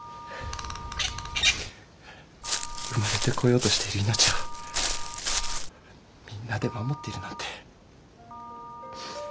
生まれてこようとしている命をみんなで守っているなんて。